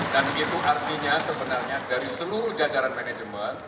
dan itu artinya sebenarnya dari seluruh jajaran manajemen